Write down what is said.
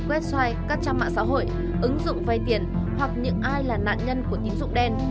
website các trang mạng xã hội ứng dụng vay tiền hoặc những ai là nạn nhân của tín dụng đen